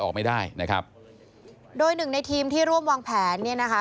ออกไม่ได้นะครับโดยหนึ่งในทีมที่ร่วมวางแผนเนี่ยนะคะ